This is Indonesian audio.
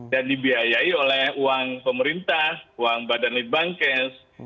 dan dibiayai oleh uang pemerintah uang badan libang kes